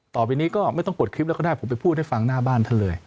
ต่อไปนี้ก็ไม่ต้องปลดคลิปแล้วก็ได้ผมไปพูดให้ฟังหน้าบ้านท่านเลย